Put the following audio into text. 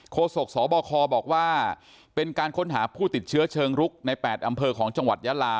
โศกสบคบอกว่าเป็นการค้นหาผู้ติดเชื้อเชิงรุกใน๘อำเภอของจังหวัดยาลา